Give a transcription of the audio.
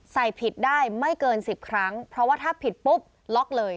ใส่ผิดได้ไม่เกิน๑๐ครั้งเพราะว่าถ้าผิดปุ๊บล็อกเลย